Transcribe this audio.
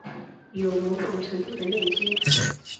有某种程度的链接